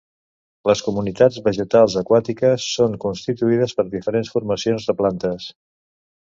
Les comunitats vegetals aquàtiques són constituïdes per diferents formacions de plantes.